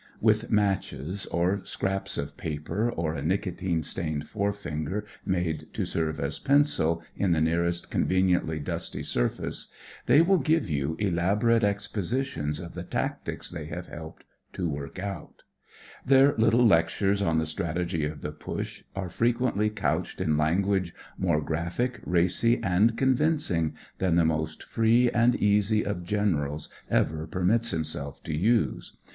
With matches, or scraps of paper, or a nicotine stained forefinger made to serve as pencil in the nearest conveniently dusty surface, they will give you elaborate expositions of the tactics they have hdped to work out. Their little lectures on the strategy of the Push are frequently couched in language more graphic, racy, and convincing than the most free and easy of Generals ever permits himself WHAT rrS LIKE IN THE PUSH 8 to use.